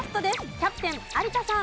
キャプテン有田さん。